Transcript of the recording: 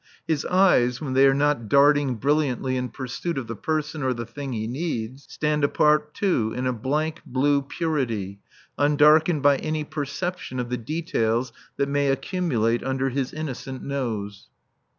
His eyes, when they are not darting brilliantly in pursuit of the person or the thing he needs, stand apart too in a blank, blue purity, undarkened by any perception of the details that may accumulate under his innocent nose.